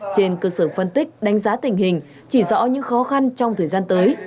trên cơ sở phân tích đánh giá tình hình chỉ rõ những khó khăn trong thời gian tới